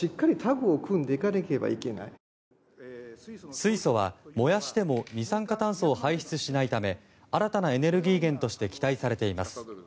水素は燃やしても二酸化炭素を排出しないため新たなエネルギー源として期待されています。